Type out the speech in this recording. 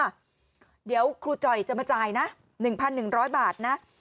เดี๋ยวครูจ่อยจะมาจ่ายนะ๑๑๐๐บาทนะ